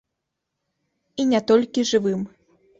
І не толькі жывым.